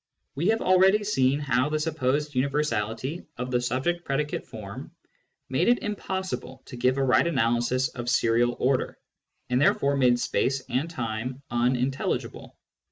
We have already seen how the supposed universality of the subject predicate form made it impossible to give a right analysis of ^frial order, and therefore made space and time unintelligible.